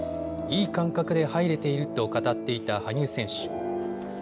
いい感覚で入れていると語っていた羽生選手。